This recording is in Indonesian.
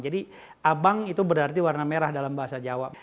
jadi abang itu berarti warna merah dalam bahasa jawa